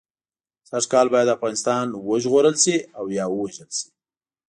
سږ کال باید افغانستان وژغورل شي او یا ووژل شي.